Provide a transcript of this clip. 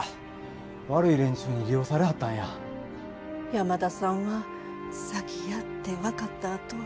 山田さんは詐欺やってわかったあとは。